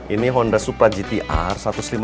ini honda supra gtr satu ratus lima puluh